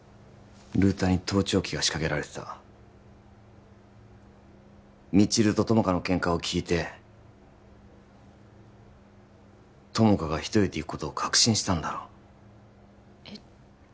ルーターに盗聴器が仕掛けられてた未知留と友果のケンカを聞いて友果が一人で行くことを確信したんだろうえっ？